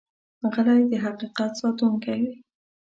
غلی، د حقیقت ساتونکی وي.